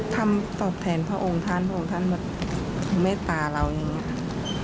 ทำตอบแทนพระองค์ท่านพระองค์ท่านแบบเมตตาเราอย่างนี้ค่ะ